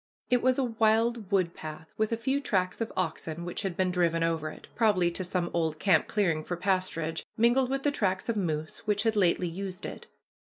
It was a wild wood path, with a few tracks of oxen which had been driven over it, probably to some old camp clearing for pasturage, mingled with the tracks of moose which had lately used it.